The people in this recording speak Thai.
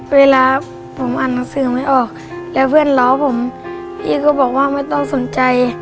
เวลาผมอ่านหนังสือไม่ออกแล้วเพื่อนล้อผมพี่ก็บอกว่าไม่ต้องสนใจ